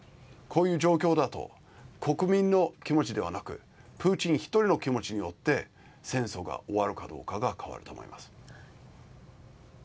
こういう状況だと国民の気持ちではなくプーチン１人の気持ちによって戦争が終わるかどうかが決まると思います。